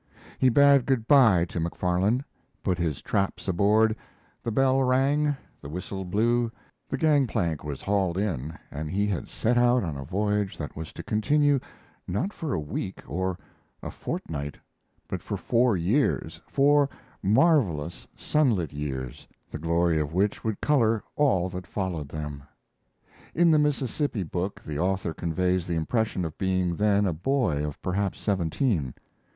He bade good by to Macfarlane, put his traps aboard, the bell rang, the whistle blew, the gang plank was hauled in, and he had set out on a voyage that was to continue not for a week or a fortnight, but for four years four marvelous, sunlit years, the glory of which would color all that followed them. In the Mississippi book the author conveys the impression of being then a boy of perhaps seventeen.